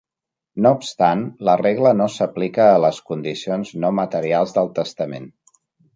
No obstant, la regla no s"aplica a les condicions no materials del testament.